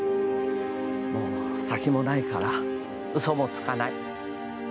もう先もないから嘘もつかない。